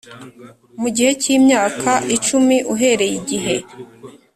Mu gihe cy imyaka icumi uhereye igihe